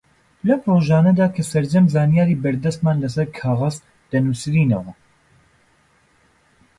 لەم ڕۆژانەدا کە سەرجەم زانیاری بەردەستمان لەسەر کاغەز دەنووسرێنەوە